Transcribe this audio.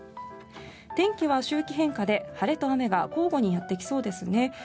天気は周期変化で、晴れと雨が交互にやってきそうですね。